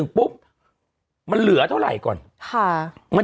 ปุ๊บมันเหลือเท่าไหร่ก่อน